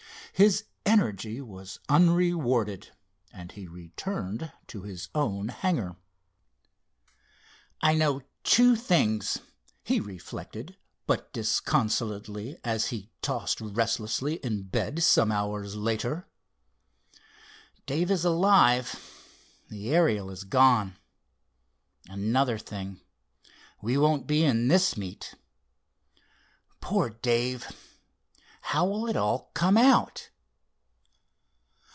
His energy was unrewarded, and he returned to his own hangar. "I know two things," he reflected, but disconsolately, as he tossed restlessly in bed some hours later. "Dave is alive—the Ariel is gone. Another thing; we won't be in this meet. Poor Dave! How will it all come out?"